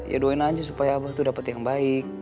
ya doain aja supaya abah tuh dapet yang baik